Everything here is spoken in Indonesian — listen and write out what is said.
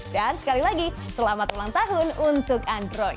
dan sekali lagi selamat ulang tahun untuk android